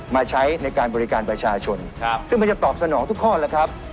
มาใช้ในการบริการประชาชนซึ่งมันจะตอบสนองทุกข้อแล้วครับ